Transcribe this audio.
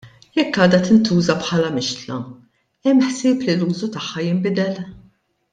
Jekk għadha tintuża bħala mixtla, hemm ħsieb li l-użu tagħha jinbidel?